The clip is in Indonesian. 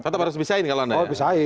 contohnya harus bisa